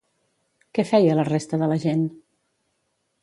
Què feia la resta de la gent?